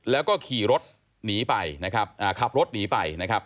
แล้วก็ขี่รถหนีไปนะครับขับรถหนีไปนะครับ